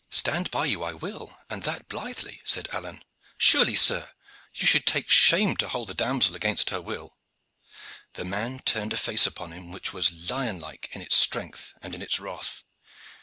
"Stand by you I will, and that blithely," said Alleyne. "Surely, sir, you should take shame to hold the damsel against her will." The man turned a face upon him which was lion like in its strength and in its wrath.